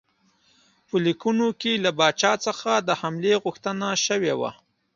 په لیکونو کې له پاچا څخه د حملې غوښتنه شوې وه.